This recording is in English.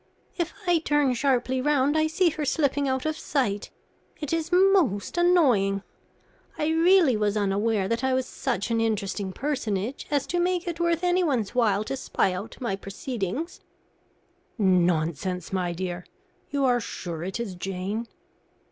If I turn sharply round, I see her slipping out of sight. It is most annoying. I really was unaware that I was such an interesting personage as to make it worth anyone's while to spy out my proceedings." "Nonsense, my dear. You are sure it is Jane?"